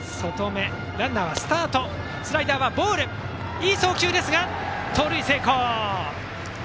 いい送球でしたが、盗塁成功！